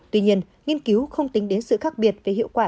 tuy nhiên nghiên cứu không tính đến sự khác biệt về hiệu quả